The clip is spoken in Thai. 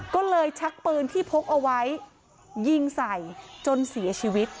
ก็เลยชักปืนที่พกเอาไว้ยิงใส่จนเสียชีวิต